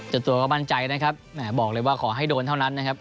ตัวก็มั่นใจนะครับแหมบอกเลยว่าขอให้โดนเท่านั้นนะครับ